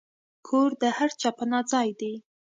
کور د هر چا پناه ځای دی.